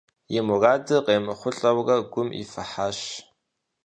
И мурадыр къемыхъулӏэурэ, гум ифыхьащ.